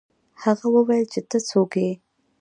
هغه وویل چې ته څوک یې.